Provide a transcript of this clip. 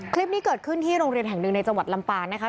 คลิปนี้เกิดขึ้นที่โรงเรียนแห่งหนึ่งในจังหวัดลำปางนะคะ